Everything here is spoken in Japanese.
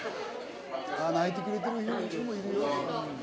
泣いてくれてる友人もいるよ。